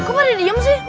kok pada diem sih